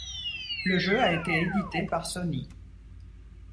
Le jeu a été édité par Sony.